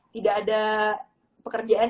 tidak ada pekerjaan